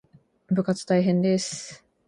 部活大変です